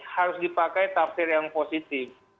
harus dipakai tafsir yang positif